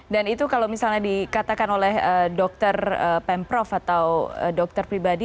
dan itu kalau misalnya dikatakan oleh dokter pemprov atau dokter pribadi